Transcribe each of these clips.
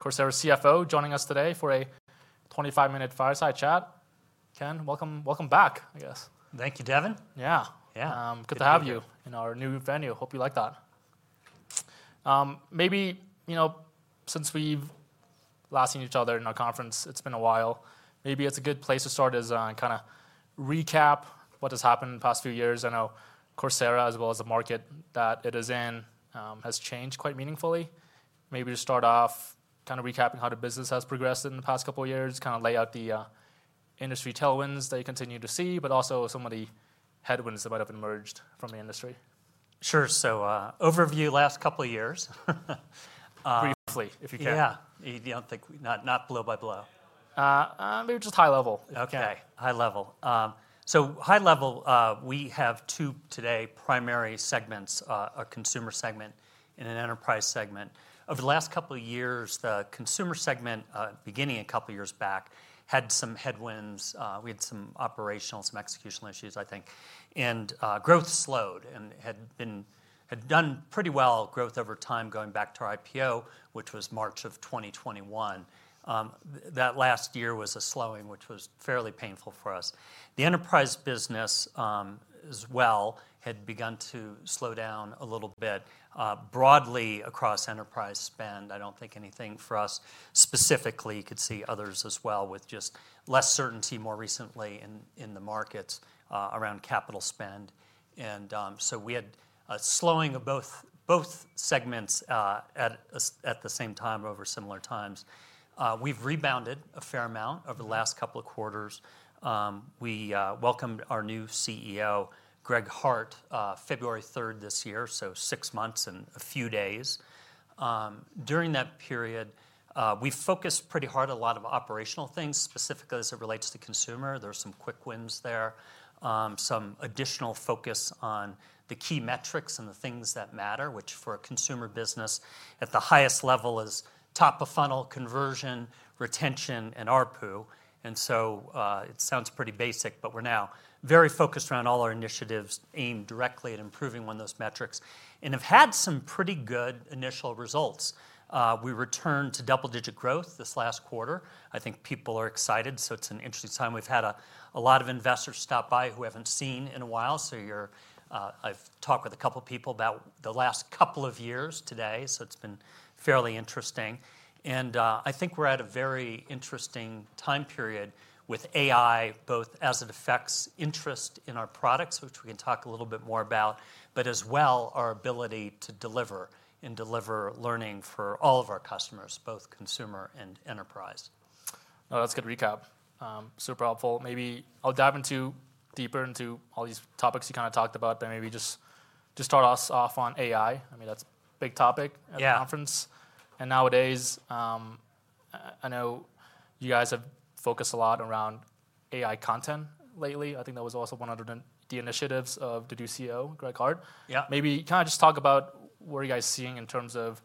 Coursera CFO joining us today for a 25-minute fireside chat. Ken, welcome back, I guess. Thank you, Devin. Yeah. Yeah. Good to have you in our new venue. Hope you like that. Maybe since we've last seen each other in our conference, it's been a while. Maybe a good place to start, is to recap what has happened in the past few years. I know Coursera as well as the market that it is in has changed quite meaningfully. Maybe to start off, recapping how the business has progressed in the past couple of years, lay out the industry tailwinds that you continue to see, but also some of the headwinds that might have emerged from the industry. Sure. Overview last couple of years. Briefly, if you can. Yeah, not blow-by-blow. Maybe just high-level. Okay. High level, we have two today, primary segments, a consumer segment and an enterprise segment. Over the last couple of years, the consumer segment, beginning a couple of years back, had some headwinds. We had some operational, some executional issues I think, and growth slowed and had done pretty well, growth over time going back to our IPO, which was March of 2021. That last year was a slowing, which was fairly painful for us. The enterprise business as well had begun to slow down a little bit, broadly across enterprise spend. I don't think anything for us specifically. You could see others as well with just less certainty more recently in the markets around capital spend. We had a slowing of both segments at the same time over similar times. We've rebounded a fair amount over the last couple of quarters. We welcomed our new CEO, Greg Hart, February 3rd this year, so six months and a few days. During that period, we focused pretty hard on a lot of operational things, specifically as it relates to the consumer. There are some quick wins there, some additional focus on the key metrics and the things that matter, which for a consumer business at the highest level is top-of-funnel, conversion, retention, and ARPU. It sounds pretty basic, but we're now very focused around all our initiatives aimed directly at improving one of those metrics, and have had some pretty good initial results. We returned to double-digit growth this last quarter. I think people are excited. It's an interesting time. We've had a lot of investors stop by who we haven't seen in a while. I've talked with a couple of people about the last couple of years today. It's been fairly interesting. I think we're at a very interesting time period with AI, both as it affects interest in our products, which we can talk a little bit more about, but as well, our ability to deliver and deliver learning for all of our customers, both consumer and enterprise. Oh, that's a good recap. Super helpful. Maybe I'll dive deeper into all these topics you kind of talked about there. Maybe just to start us off on AI, that's a big topic at the conference. Nowadays, I know you guys have focused a lot around AI content lately. I think that was also one of the initiatives of the new CEO, Greg Hart. Yeah. Maybe you kind of just talk about, what are you guys seeing in terms of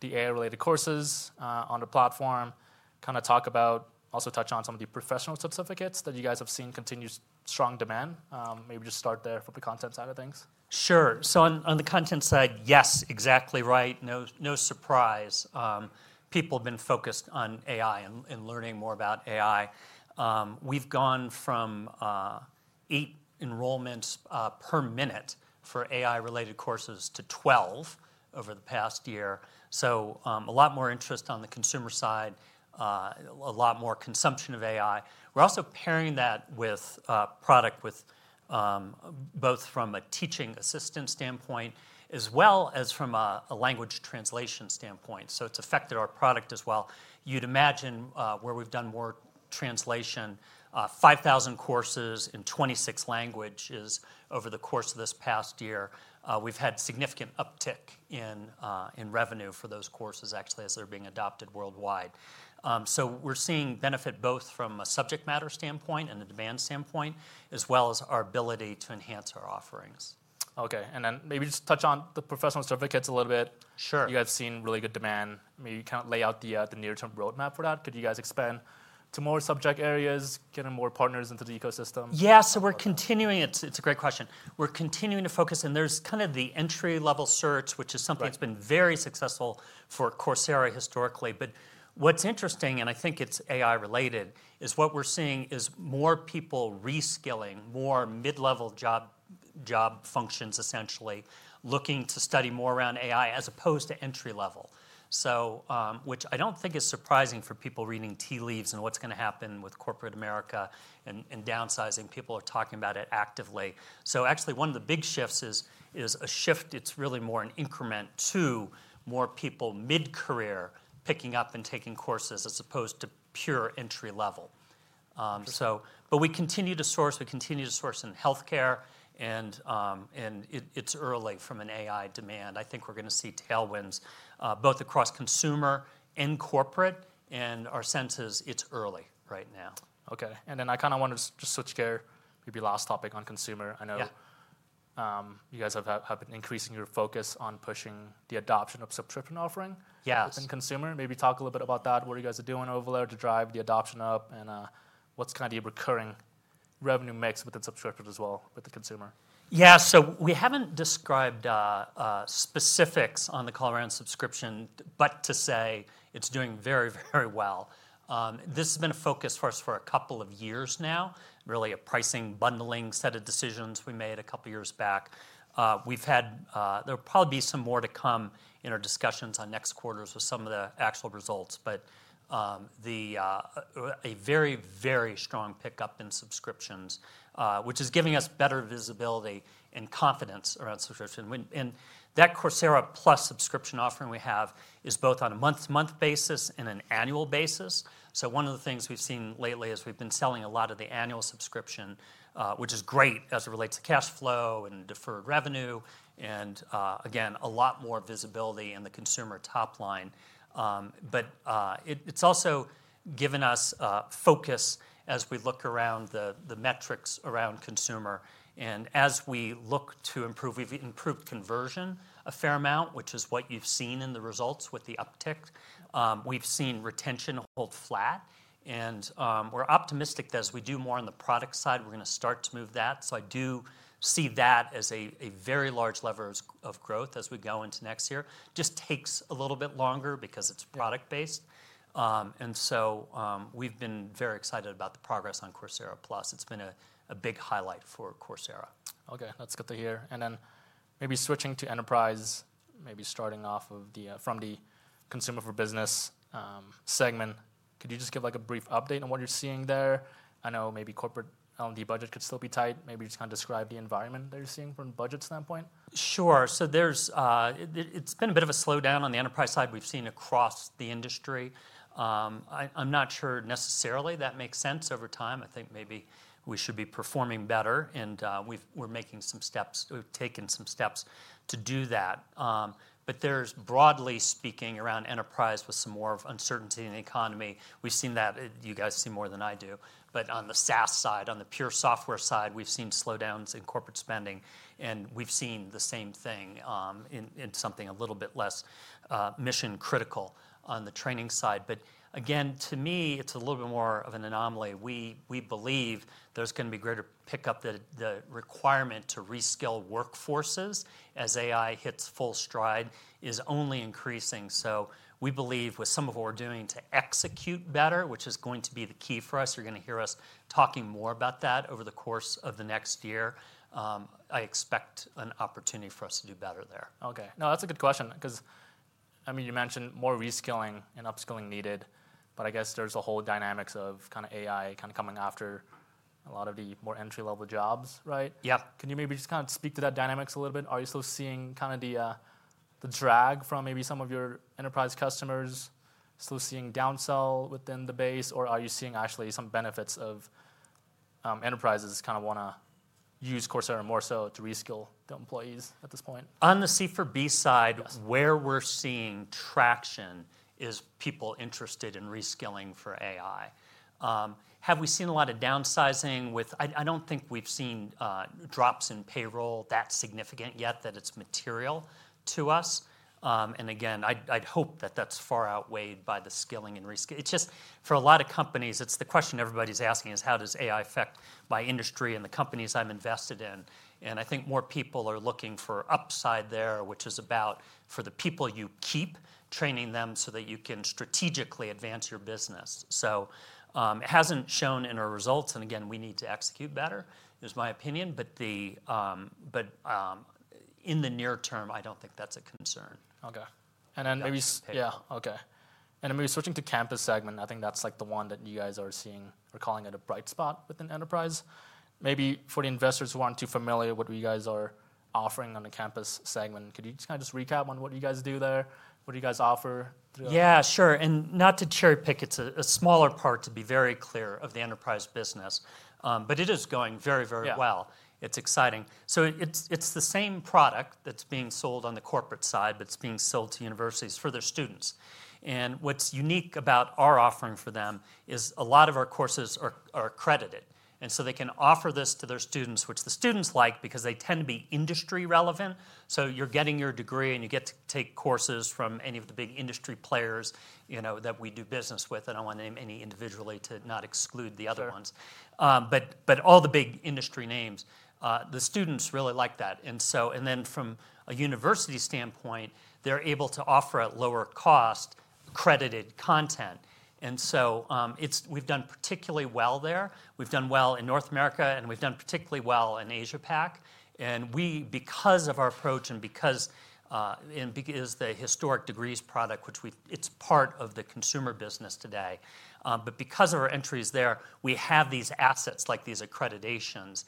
the AI-related courses on the platform, also touch on some of the professional certificates that you guys have seen continue strong demand. Maybe just start there for the content side of things. Sure. On the content side, yes. Exactly right. No surprise, people have been focused on AI and learning more about AI. We've gone from eight enrollments per minute for AI-related courses to 12 over the past year, so a lot more interest on the consumer side, a lot more consumption of AI. We're also pairing that with product, both from a teaching assistant standpoint as well as from a language translation standpoint. It's affected our product as well. You'd imagine, we've done more translation, 5,000 courses in 26 languages over the course of this past year. We've had significant uptick in revenue for those courses actually as they're being adopted worldwide. We're seeing benefit both from a subject matter standpoint and a demand standpoint, as well as our ability to enhance our offerings. Okay, and then maybe just touch on the professional certificates a little bit. Sure. You have seen really good demand. Maybe you kind of lay out the near-term roadmap for that. Could you guys expand to more subject areas, getting more partners into the ecosystem? Yeah, it's a good question.. We're continuing to focus, and there's kind of the entry-level search, which is something that's been very successful for Coursera historically. What's interesting, and I think it's AI-related, is what we're seeing is more people reskilling more mid-level job functions essentially, looking to study more around AI as opposed to entry-level. I don't think it's surprising for people reading tea leaves, and what's going to happen with corporate America and downsizing. People are talking about it actively. Actually, one of the big shifts is a shift. It's really more an increment to more people mid-career picking up and taking courses, as opposed to pure entry-level. We continue to source in healthcare, and it's early from an AI demand. I think we're going to see tailwinds, both across consumer and corporate and our sense is, it's early right now. Okay. I kind of want to just switch gears, maybe last topic on consumer. I know you guys have been increasing your focus on pushing the adoption of subscription offering within consumer. Yes. Maybe talk a little bit about that. What are you guys doing over there to drive the adoption up? What's kind of the recurring revenue mix with the subscription as well with the consumer? Yeah. We haven't described specifics on the subscription, but to say it's doing very, very well. This has been a focus for us for a couple of years now, really a pricing bundling set of decisions we made a couple of years back. There'll probably be some more to come in our discussions on next quarters with some of the actual results. A very, very strong pickup in subscriptions, which is giving us better visibility and confidence around subscription. That Coursera Plus subscription offering we have is both on a month-to-month basis and an annual basis. One of the things we've seen lately is, we've been selling a lot of the annual subscription, which is great as it relates to cash flow and deferred revenue. Again, a lot more visibility in the consumer top line. It's also given us focus as we look around the metrics around consumer. As we look to improve, we've improved conversion a fair amount, which is what you've seen in the results with the uptick. We've seen retention hold flat. We're optimistic that as we do more on the product side, we're going to start to move that. I do see that as a very large lever of growth as we go into next year. Just takes a little bit longer because it's product-based. We've been very excited about the progress on Coursera Plus. It's been a big highlight for Coursera. Okay. That's good to hear. Maybe switching to enterprise, maybe starting off from the consumer for business segment. Could you just give a brief update on what you're seeing there? I know maybe corporate L&D budget could still be tight. Maybe you just kind of describe the environment that you're seeing from a budget standpoint. Sure. There's been a bit of a slowdown on the enterprise side, we've seen across the industry. I'm not sure necessarily that makes sense over time. I think maybe we should be performing better. We're taken some steps to do that. Broadly speaking around enterprise, with some more uncertainty in the economy, we've seen that, and you guys see more than I do, but on the SaaS side, on the pure software side, we've seen slowdowns in corporate spending. We've seen the same thing in something a little bit less mission-critical on the training side. Again, to me, it's a little bit more of an anomaly. We believe there's going to be greater pickup. The requirement to reskill workforces as AI hits full stride is only increasing. We believe with some of what we're doing to execute better, which is going to be the key for us, you're going to hear us talking more about that over the course of the next year, I expect an opportunity for us to do better there. Okay. No, that's a good question because, I mean, you mentioned more reskilling and upskilling needed. I guess there's a whole dynamic of kind of AI coming after a lot of the more entry-level jobs, right? Yeah. Can you maybe just kind of speak to that dynamics a little bit? Are you still seeing kind of the drag from maybe some of your enterprise customers still seeing downsell within the base, or are you seeing actually some benefits of enterprises kind of want to use Coursera more so to reskill the employees at this point? On the C4B side, where we're seeing traction is people interested in reskilling for AI. Have we seen a lot of downsizing? I don't think we've seen drops in payroll that significant yet that it's material to us. Again, I'd hope that that's far outweighed by the skilling and reskilling. It's just for a lot of companies, it's the question everybody's asking, is how does AI affect my industry and the companies I'm invested in? I think more people are looking for upside there, which is about, for the people, you keep training them so that you can strategically advance your business. It hasn't shown in our results. Again, we need to execute better, is my opinion. In the near term, I don't think that's a concern. Okay. Maybe switching to campus segment. I think that's the one that you guys are seeing or calling it a bright spot within enterprise. Maybe for the investors who aren't too familiar with what you guys are offering on the campus segment, could you just kind of recap on what you guys do there? What do you guys offer? Yeah, sure. Not to cherry pick, it's a smaller part, to be very clear, of the enterprise business, but it is going very, very well. It's exciting. It's the same product that's being sold on the corporate side, but it's being sold to universities for their students. What's unique about our offering for them is a lot of our courses are accredited, and so they can offer this to their students, which the students like because they tend to be industry-relevant. You're getting your degree and you get to take courses from any of the big industry players that we do business with. I don't want to name any individually, to not exclude the other ones, but all the big industry names, the students really like that. From a university standpoint, they're able to offer at lower cost accredited content. We've done particularly well there. We've done well in North America and we've done particularly well in Asia Pac, and because of our approach and the historic degrees product which is part of the consumer business today, but because of our entries there, we have these assets like these accreditations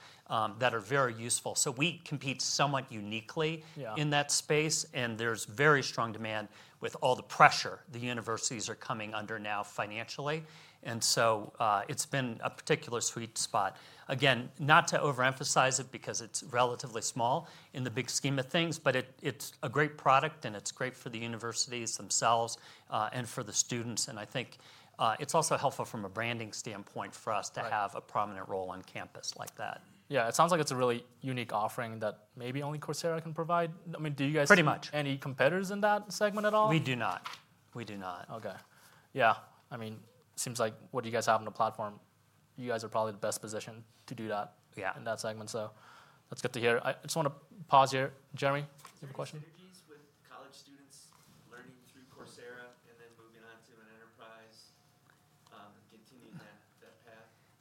that are very useful. We compete somewhat uniquely in that space. There's very strong demand with all the pressure the universities are coming under now financially. It's been a particular sweet spot. Again, not to overemphasize it because it's relatively small in the big scheme of things, but it's a great product and it's great for the universities themselves and for the students. I think it's also helpful from a branding standpoint for us to have a prominent role on campus like that. Yeah, it sounds like it's a really unique offering that maybe only Coursera can provide. I mean, do you guys have any competitors in that segment at all? We do not. Okay, yeah. I mean, it seems like what you guys have on the platform, you guys are probably the best positioned to do that in that segment. That's good to hear. I just want to pause here. Jeremy. college students learning through Coursera, and then moving on to an enterprise and continuing that path?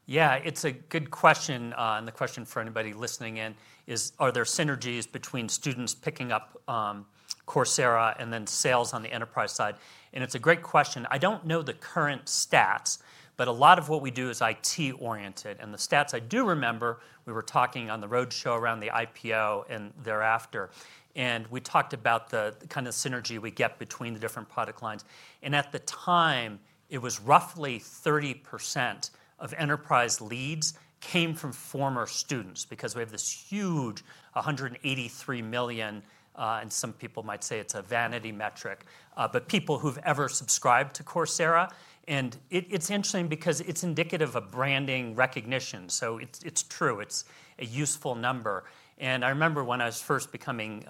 Yeah, it's a good question. The question for anybody listening in is, are there synergies between students picking up Coursera and then sales on the enterprise side? It's a great question. I don't know the current stats, but a lot of what we do is IT-oriented. The stats I do remember, we were talking on the roadshow around the IPO and thereafter. We talked about the kind of synergy we get between the different product lines. At the time, it was roughly 30% of enterprise leads came from former students because we have this huge 183 million, and some people might say it's a vanity metric, but people who've ever subscribed to Coursera. It's interesting because it's indicative of branding recognition, so it's true. It's a useful number. I remember when I was first becoming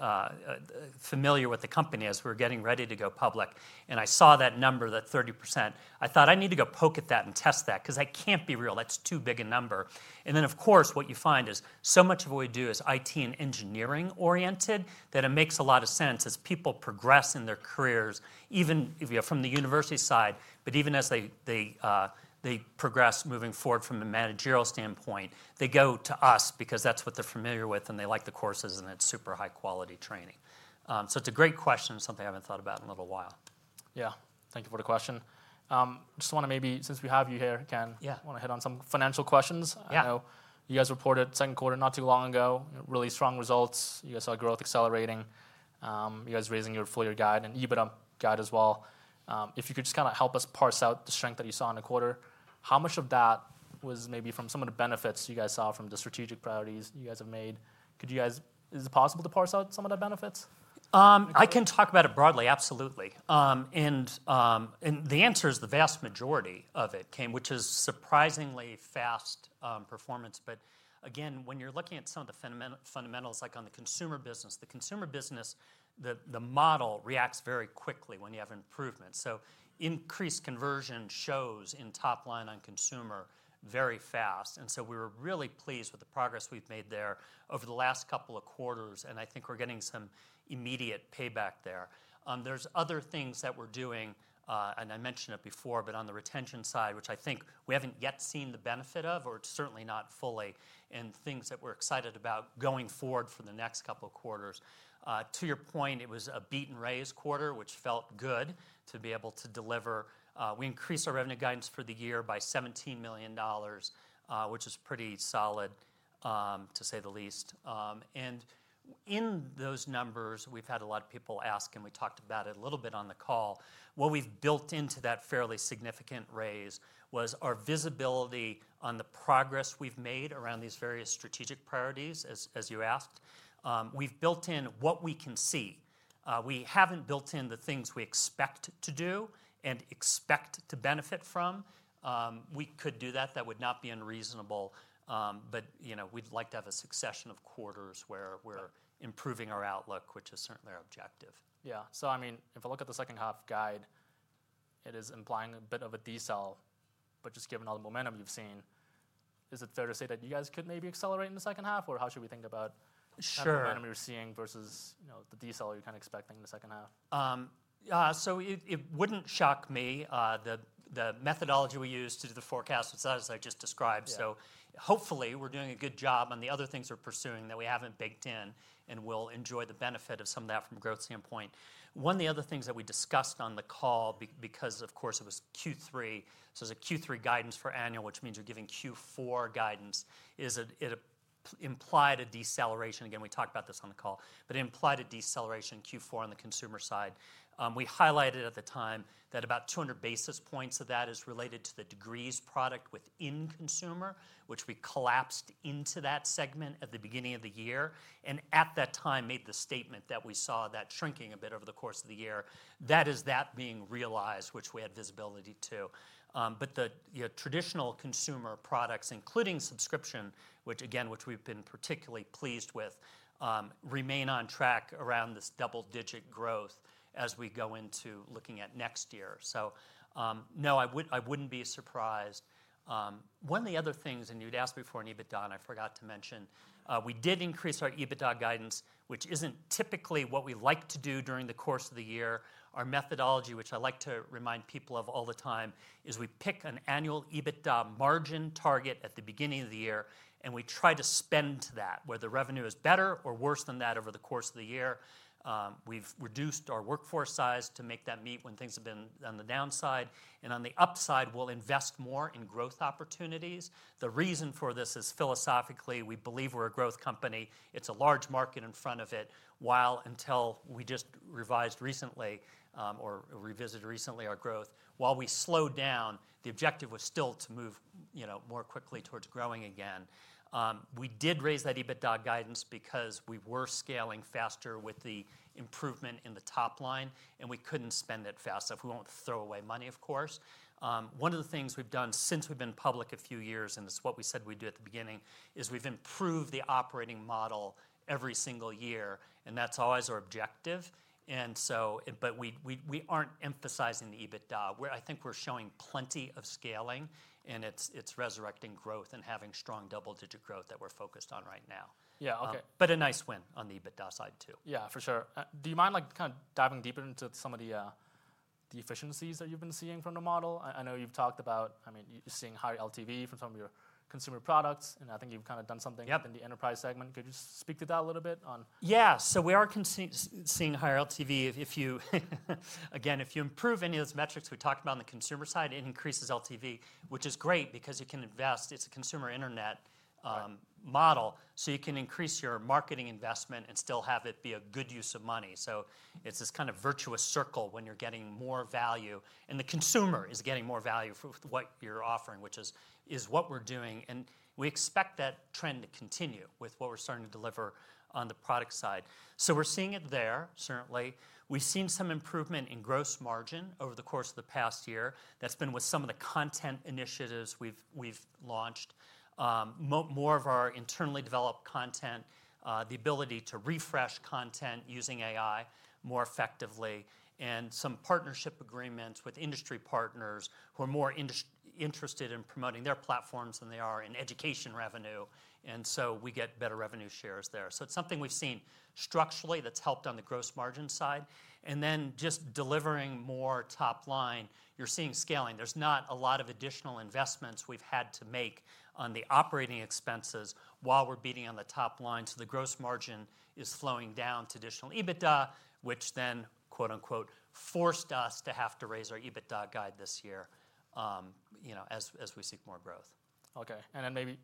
familiar with the company as we were getting ready to go public, and I saw that number, that 30%. I thought, "I need to go poke at that and test that because that can't be real. That's too big a number." Of course, what you find is, so much of what we do is IT and engineering-oriented, that it makes a lot of sense as people progress in their careers, even if you're from the university side. Even as they progress moving forward from a managerial standpoint, they go to us because that's what they're familiar with and they like the courses and it's super high-quality training. It's a great question and something I haven't thought about in a little while. Yeah. Thank you for the question. Maybe since we have you here, Ken, I want to hit on some financial questions. I know you guys reported second quarter not too long ago, really strong results. You guys saw growth accelerating. You guys raised your full-year guide and EBITDA guide as well. If you could just kind of help us parse out the strength that you saw in the quarter, how much of that was maybe from some of the benefits you guys saw from the strategic priorities you guys have made? Is it possible to parse out some of the benefits? I can talk about it broadly absolutely. The answer is, the vast majority of it came, which is surprisingly, fast performance. Again, when you're looking at some of the fundamentals, like on the consumer business, the consumer business, the model reacts very quickly when you have improvements. Increased conversion shows in top line on consumer very fast. We were really pleased with the progress we've made there over the last couple of quarters, and I think we're getting some immediate payback there. There's other things that we're doing, and I mentioned it before, but on the retention side, which I think we haven't yet seen the benefit of or it's certainly not fully, and things that we're excited about going forward for the next couple of quarters. To your point, it was a beat and raise quarter, which felt good to be able to deliver. We increased our revenue guidance for the year by $17 million, which is pretty solid, to say the least. In those numbers, we've had a lot of people ask, and we talked about it a little bit on the call. What we've built into that fairly significant raise was our visibility on the progress we've made around these various strategic priorities, as you asked. We've built in what we can see. We haven't built in the things we expect to do and expect to benefit from. We could do that. That would not be unreasonable. We'd like to have a succession of quarters where we're improving our outlook, which is certainly our objective. Yeah. If I look at the second half guide, it is implying a bit of a D-cell, but just given all the momentum you've seen, is it fair to say that you guys could maybe accelerate in the second half or how should we think about the momentum you're seeing versus the D-cell you're kind of expecting in the second half? Yeah, so it wouldn't shock me. The methodology we use to do the forecast is as I just described. Hopefully, we're doing a good job on the other things we're pursuing that we haven't baked in, and will enjoy the benefit of some of that from a growth standpoint. One of the other things that we discussed on the call, because of course it was Q3, so it was a Q3 guidance for annual, which means you're giving Q4 guidance, is it implied a deceleration. Again, we talked about this on the call, but it implied a deceleration in Q4 on the consumer side. We highlighted at the time that about 200 basis points of that is related to the degrees product within consumer, which we collapsed into that segment at the beginning of the year and at that time, made the statement that we saw that shrinking a bit over the course of the year. That is that being realized, which we had visibility to. The traditional consumer products, including subscription, again which we've been particularly pleased with, remain on track around this double-digit growth as we go into looking at next year. No, I wouldn't be surprised. One of the other things, and you'd asked me for an EBITDA and I forgot to mention, we did increase our EBITDA guidance, which isn't typically what we like to do during the course of the year. Our methodology, which I like to remind people of all the time, is we pick an annual EBITDA margin target at the beginning of the year and we try to spend that, where the revenue is better or worse than that over the course of the year. We've reduced our workforce size to make that meet when things have been on the downside. On the upside, we'll invest more in growth opportunities. The reason for this is philosophically, we believe we're a growth company. It's a large market in front of it, we just revised recently or revisited recently our growth. While we slowed down, the objective was still to move more quickly towards growing again. We did raise that EBITDA guidance because we were scaling faster with the improvement in the top line, and we couldn't spend it faster. We won't throw away money, of course. One of the things we've done since we've been public a few years, and it's what we said we'd do at the beginning, is we've improved the operating model every single year and that's always our objective. We aren't emphasizing the EBITDA. I think we're showing plenty of scaling, and it's resurrecting growth and having strong double-digit growth that we're focused on right now. Yeah, okay. A nice win on the EBITDA side too. Yeah, for sure. Do you mind kind of diving deeper into some of the efficiencies that you've been seeing from the model? I know you've talked about,]you're seeing higher LTV from some of your consumer products and I think you've kind of done something within the enterprise segment. Could you speak to that a little bit? Yeah, so we are seeing higher LTV. Again, if you improve any of those metrics we talked about on the consumer side, it increases LTV, which is great because you can invest. It's a consumer internet model, so you can increase your marketing investment and still have it be a good use of money. It's this kind of virtuous circle when you're getting more value, and the consumer is getting more value for what you're offering, which is what we're doing. We expect that trend to continue with what we're starting to deliver on the products side. We're seeing it there, certainly. We've seen some improvement in gross margin over the course of the past year. That's been with some of the content initiatives we've launched. More of our internally developed content, the ability to refresh content using AI more effectively, and some partnership agreements with industry partners who are more interested in promoting their platforms than they are in education revenue. We get better revenue shares there. It's something we've seen structurally that's helped on the gross margin side. Just delivering more top line, you're seeing scaling. There's not a lot of additional investments we've had to make on the operating expenses while we're beating on the top line. The gross margin is slowing down to additional EBITDA, which then, " forced us" to have to raise our EBITDA guide this year as we seek more growth. Okay. Maybe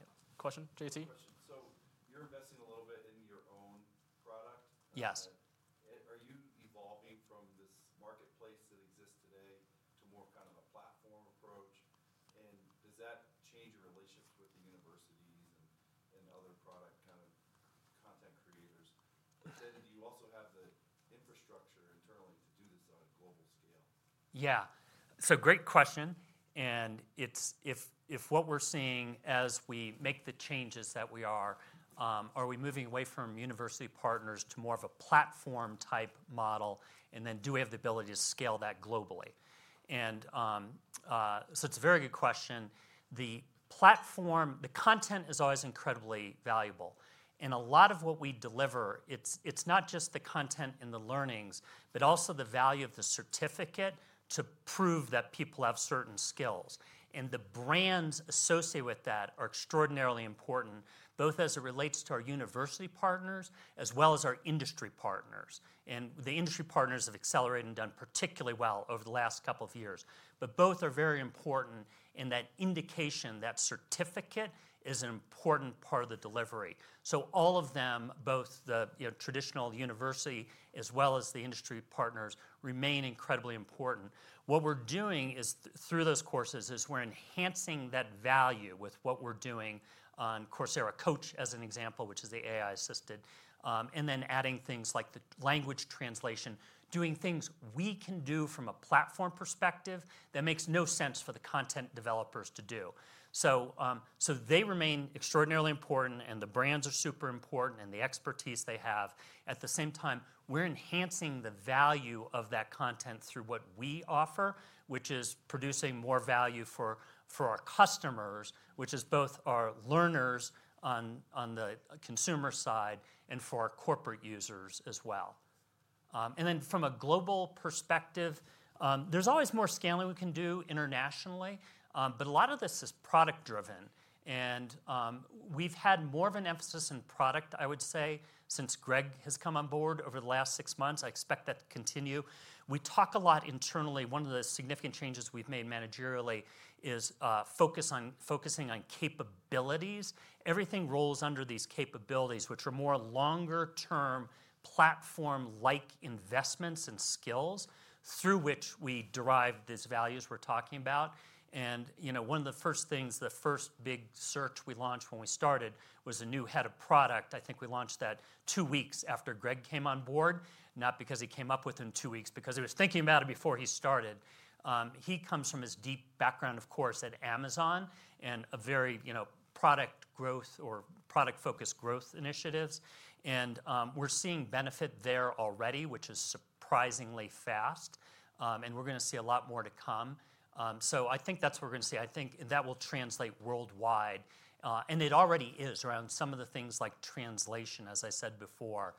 a question? You're investing a little bit in your own product? Yes. Are you evolving from this marketplace that exists today to more kind of a platform approach? Does that change your relationship with the universities and other product content creators? That said, you also have the infrastructure internally to do this on a global scale. Yeah, so great question. If what we're seeing as we make the changes that we are, are we moving away from university partners to more of a platform-type model? Do we have the ability to scale that globally? It's a very good question. The content is always incredibly valuable. A lot of what we deliver, it's not just the content and the learnings, but also, the value of the certificate to prove that people have certain skills. The brands associated with that are extraordinarily important, both as it relates to our university partners as well as our industry partners. The industry partners have accelerated and done particularly well over the last couple of years. Both are very important in that indication that certificate is an important part of the delivery. All of them, both the traditional university as well as the industry partners, remain incredibly important. What we're doing through those courses is we're enhancing that value with what we're doing on Coursera Coach as an example, which is the AI-assisted. Adding things like the language translation, doing things we can do from a platform perspective that makes no sense for the content developers to do. They remain extraordinarily important, and the brands are super important and the expertise they have. At the same time, we're enhancing the value of that content through what we offer, which is producing more value for our customers, which is both our learners on the consumer side and for our corporate users as well. From a global perspective, there's always more scaling we can do internationally, but a lot of this is product-driven. We've had more of an emphasis on product, I would say. Since Greg has come on board over the last six months, I expect that to continue. We talk a lot internally. One of the significant changes we've made managerially is focusing on capabilities. Everything rolls under these capabilities, which are more longer-term platform-like investments and skills through which we derive these values we're talking about. One of the first things, the first big search we launched when we started, was a new head of product. I think we launched that two weeks after Greg came on board, not because he came up with it in two weeks, because he was thinking about it before he started. He comes from his deep background of course at Amazon, and very product growth or product-focused growth initiatives. We're seeing benefit there already, which is surprisingly fast and we're going to see a lot more to come. I think that's what we're going to see. I think that will translate worldwide, and it already is, around some of the things like translation as I said before.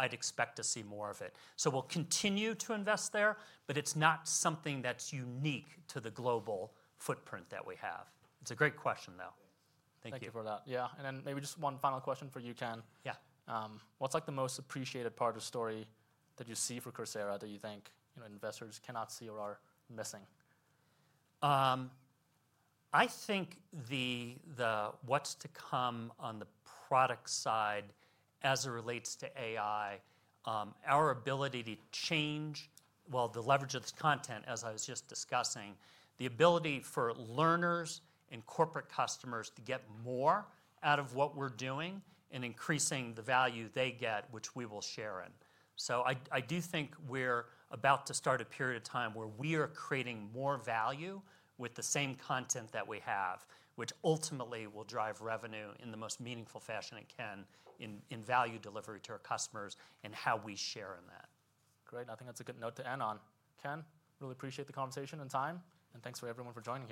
I'd expect to see more of it. We'll continue to invest there, but it's not something that's unique to the global footprint that we have. It's a great question though. Thank you. Thank you for that. Maybe just one final question for you, Ken. Yeah. What's the most appreciated part of the story that you see for Coursera that you think investors cannot see or are missing? I think what's to come on the product side as it relates to AI, our ability to change the leverage of this content, as I was just discussing, the ability for learners and corporate customers to get more out of what we're doing and increasing the value they get, which we will share in. I do think we're about to start a period of time where we are creating more value with the same content that we have, which ultimately will drive revenue in the most meaningful fashion it can in value delivery to our customers and how we share in that. Great. I think that's a good note to end on. Ken, really appreciate the conversation and time, and thanks everyone for joining.